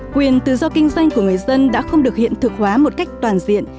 quyền tự do kinh doanh của người dân đã không được hiện thực hóa một cách toàn diện